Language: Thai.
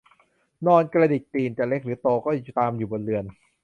นอนกระดิกตีนจะเล็กหรือโตก็ตามอยู่บนเรือน